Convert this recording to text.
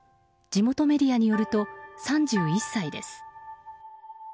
地元メディアによると３１歳です。